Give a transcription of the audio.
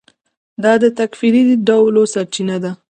دا د تکفیري ډلو سرچینه ده.